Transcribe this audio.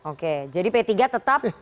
oke jadi p tiga tetap